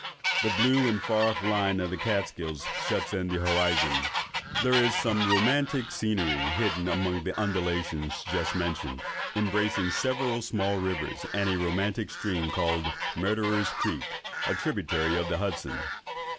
The blue and far off line of the Kaatskills shuts in the horizon. There is some very romantic scenery hidden among the undulations just mentioned, embracing several small rivers, and a romantic stream, called Murderer's Creek, a tributary of the Hudson.